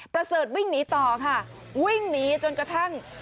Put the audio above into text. ประเสริฐวิ่งหนีต่อค่ะวิ่งหนีจนกระทั่ง